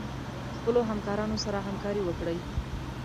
خپلو همکارانو سره همکاري وکړئ.